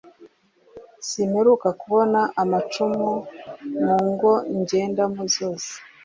simperuka kubona 'amacumu mungo njyendamo zose